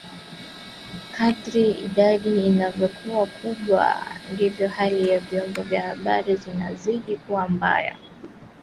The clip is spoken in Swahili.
Kadri idadi inavyokuwa kubwa ndivyo hali ya vyombo vya habari inavyozidi kuwa mbaya zaidi